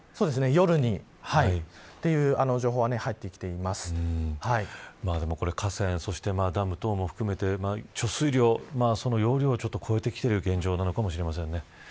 夜にという情報は河川、そしてダム等も含めて貯水量の容量を超えてきている現状なのかもしれませんね。